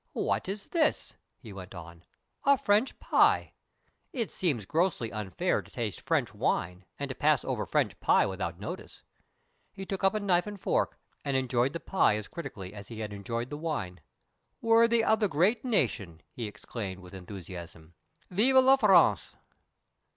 "What is this?" he went on. "A French pie! It seems grossly unfair to taste French wine and to pass over French pie without notice." He took up a knife and fork, and enjoyed the pie as critically as he had enjoyed the wine. "Worthy of the Great Nation!" he exclaimed, with enthusiasm. "_Vive la France!